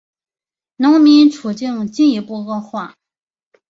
农民处境进一步恶化。